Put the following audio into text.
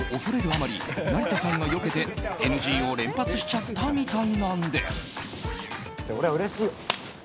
あまり成田さんがよけてＮＧを連発しちゃったみたいなんです。